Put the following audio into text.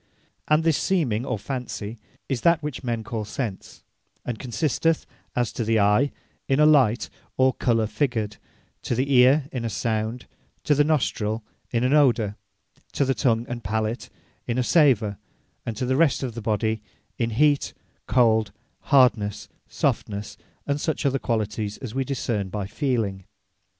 And this Seeming, or Fancy, is that which men call sense; and consisteth, as to the Eye, in a Light, or Colour Figured; To the Eare, in a Sound; To the Nostrill, in an Odour; To the Tongue and Palat, in a Savour; and to the rest of the body, in Heat, Cold, Hardnesse, Softnesse, and such other qualities, as we discern by Feeling.